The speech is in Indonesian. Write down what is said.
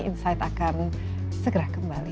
insight akan segera kembali